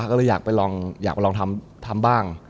ก็เลยอยากไปลองทำบ้าง